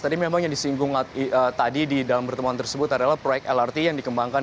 tadi memang yang disinggung tadi di dalam pertemuan tersebut adalah proyek lrt yang dikembangkan